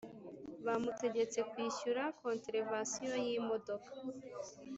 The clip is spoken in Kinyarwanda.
bamutegetse kwishyura konterevasiyo y’imodoka